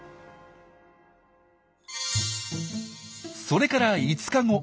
それから５日後。